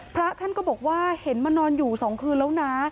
พระท่านก็บอกว่าเห็นมานอนอยู่๒คืนแล้วนะ